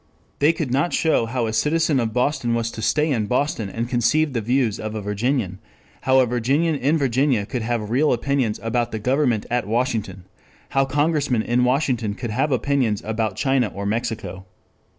They could not show how a citizen of Boston was to stay in Boston and conceive the views of a Virginian, how a Virginian in Virginia could have real opinions about the government at Washington, how Congressmen in Washington could have opinions about China or Mexico.